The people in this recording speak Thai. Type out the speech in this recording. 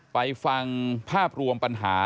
ไปฟังภาพรวมปัญหา